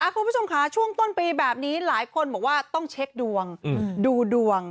คุณผู้ชมค่ะช่วงต้นปีแบบนี้หลายคนบอกว่าต้องเช็คดวงดูดวง